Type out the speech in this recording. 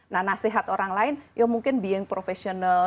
nah nasihat orang lain ya mungkin being professional